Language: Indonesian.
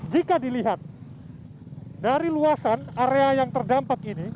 jika dilihat dari luasan area yang terdampak ini